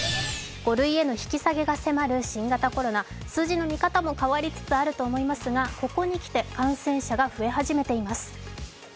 ５類への引き下げが迫る新型コロナ数字の見方も変わりつつあると思いますがここにきて感染者が増え始めています。